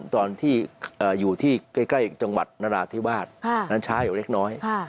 ตอนที่อยู่ที่ใกล้จังหวัดนราธิวาสนั้นช้าอยู่เล็กน้อย